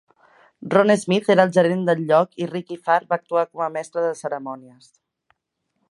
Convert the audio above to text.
Ron Smith era el gerent del lloc i Rikki Farr va actuar com a mestre de cerimònies.